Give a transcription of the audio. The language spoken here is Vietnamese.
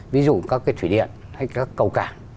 ví dụ các cái thủy điện hay các cầu cảng